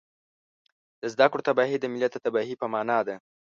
د زده کړو تباهي د ملت د تباهۍ په مانا ده